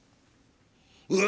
うわ！